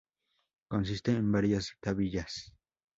Consiste en varias tablillas.